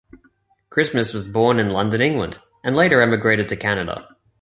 Christmas was born in London, England, and later emigrated to Canada.